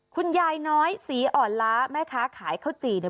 คุณยายน้อยศรีอ่อนล้าแม่ค้าขายข้าวจี่เนี่ย